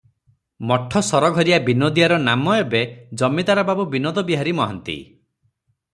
ମଠ ସରଘରିଆ ବିନୋଦିଆର ନାମ ଏବେ ଜମିଦାର ବାବୁ ବିନୋଦବିହାରି ମହାନ୍ତି ।